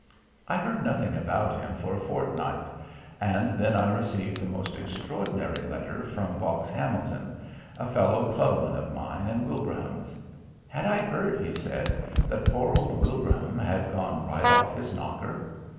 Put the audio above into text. I heard nothing about him for a fortnight, and then I received a most extraordinary letter from Box Hamilton, a fellow clubman of mine and Wilbraham's. Had I heard, he said, that poor old Wilbraham had gone right off his "knocker"?